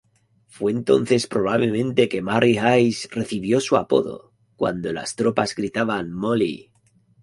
Fue entonces probablemente que Mary Hays recibió su apodo, cuando las tropas gritaban, "Molly!